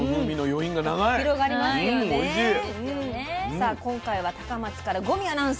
さあ今回は高松から五味アナウンサーも来ていますよ。